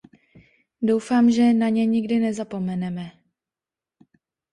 Doufám, že na ně nikdy nezapomeneme.